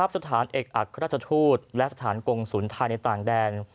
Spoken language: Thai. สถานเอกอัครราชทูตและสถานกงศูนย์ไทยในต่างแดน